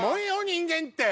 人間って。